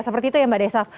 seperti itu ya mbak desa